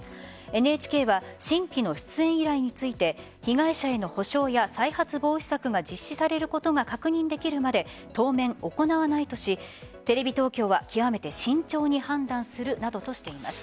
ＮＨＫは新規の出演依頼について被害者への補償や再発防止策が実施されることが確認できるまで当面、行わないとしテレビ東京は極めて慎重に判断するなどとしています。